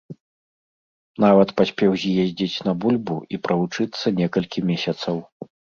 Нават паспеў з'ездзіць на бульбу і правучыцца некалькі месяцаў.